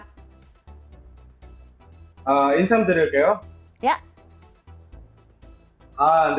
saya akan berkata kata nama saya